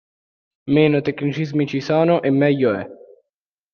Meno tecnicismi ci sono e meglio è.